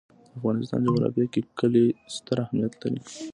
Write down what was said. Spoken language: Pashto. د افغانستان جغرافیه کې کلي ستر اهمیت لري.